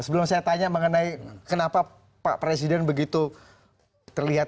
sebelum saya tanya mengenai kenapa pak presiden begitu terlihat